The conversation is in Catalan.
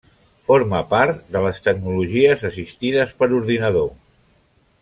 Forma part de les tecnologies assistides per ordinador.